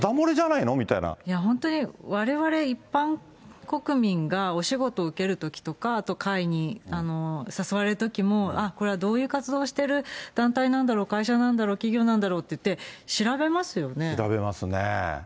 いや、本当にわれわれ一般国民がお仕事を受けるときとか、あと会に誘われるときも、これはどういう活動をしてる団体なんだろう、会社なんだろう、調べますね。